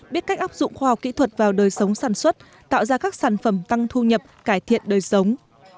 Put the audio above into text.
biết cách áp dụng khoa học kỹ thuật vào đời sống sản xuất tạo ra các sản phẩm tăng thu nhập cải thiện đời sống